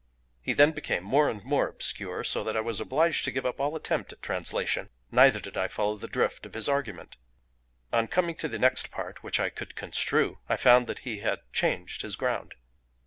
He then became more and more obscure, so that I was obliged to give up all attempt at translation; neither did I follow the drift of his argument. On coming to the next part which I could construe, I found that he had changed his ground.